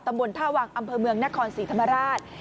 ตำบลท่าวังอำเภอเมืองนครศรีธรรมราช